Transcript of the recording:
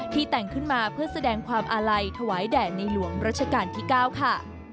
แต่งขึ้นมาเพื่อแสดงความอาลัยถวายแด่ในหลวงรัชกาลที่๙ค่ะ